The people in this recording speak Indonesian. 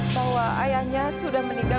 bahwa ayahnya sudah meninggal